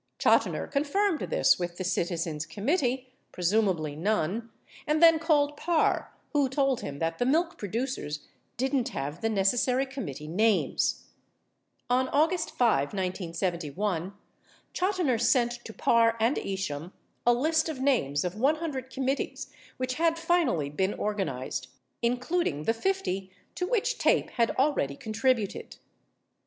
30 Chotiner confirmed this with the Citizens Committee (pre sumably Nunn) and then called Parr who told him that the milk pro ducers didn't have the necessary committee names. On August 5, 1971, Chotiner sent to Parr and Isham a list of names of 100 committees which had finally been organized, including the 50 to which TAPE had already contributed.